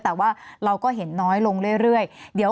แต่ว่าเราก็เห็นน้อยลงเรื่อย